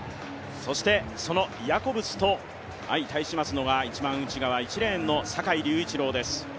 そのヤコブスと相対しますのが、一番内側、１レーンの坂井隆一郎です。